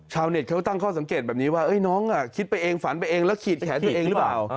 ชาวเน็ตเขาตั้งข้อสังเกตแบบนี้ว่าน้องคิดไปเองฝันไปเองแล้วขีดแขนตัวเองหรือเปล่า